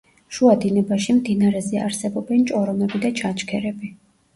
შუა დინებაში მდინარეზე არსებობენ ჭორომები და ჩანჩქერები.